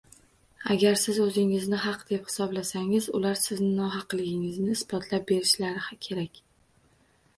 Agar siz oʻzingizni haq deb hisoblasangiz, ular sizni nohaqligingizni isbotlab berishlari kerak.